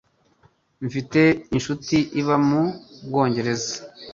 Mfite inshuti iba mu Bwongereza.